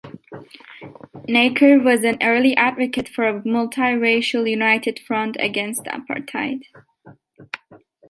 Naicker was an early advocate for a multi-racial united front against apartheid.